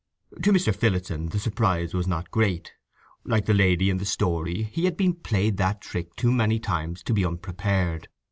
To Mr. Phillotson the surprise was not great; like the lady in the story, he had been played that trick too many times to be unprepared.